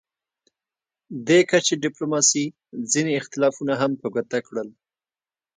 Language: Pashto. دې کچې ډیپلوماسي ځینې اختلافونه هم په ګوته کړل